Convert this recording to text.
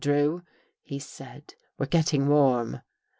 Drew," he said. " We're getting warm."